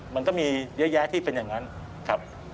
มันก็มีเยอะแยะที่เป็นอย่างนั้นครับ